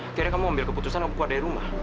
akhirnya kamu ambil keputusan aku keluar dari rumah